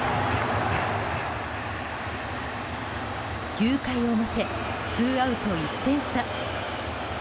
９回表、ツーアウト１点差。